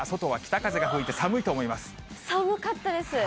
さあ、寒かったです。